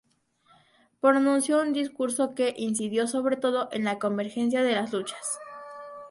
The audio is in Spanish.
Pronunció un discurso que incidió sobre todo en la convergencia de las luchas.